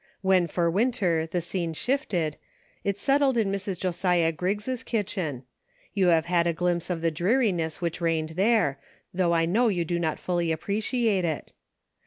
When for Winter the scene shifted, it settled in Mrs. Josiah Griggs' kitchen ; you have had a glimpse of the dreariness which reigned there, though I know you do not fully appreciate it.